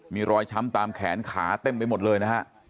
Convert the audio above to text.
มีรอยช้ำตามแขนขาเต็มไปหมดเลยนะฮะ